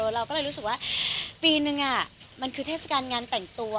เราก็เลยรู้สึกว่าปีนึงมันคือเทศกาลงานแต่งตัว